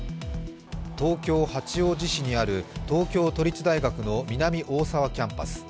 東京・八王子市にある東京都立大学の南大沢キャンパス。